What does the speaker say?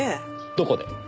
どこで？